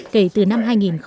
kể từ năm hai nghìn hai mươi